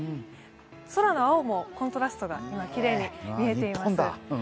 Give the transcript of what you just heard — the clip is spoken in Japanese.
空の青もコントラストがとってもきれいに見えています。